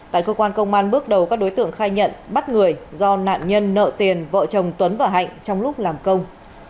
tại cơ quan công an bước đầu các đối tượng khai nhận bắt người do nạn nhân nợ tiền vợ chồng tuấn và hạnh trong lúc làm công